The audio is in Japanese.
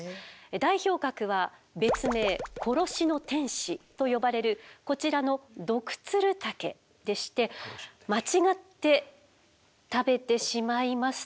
代表格は別名殺しの天使と呼ばれるこちらのドクツルタケでして間違って食べてしまいますと。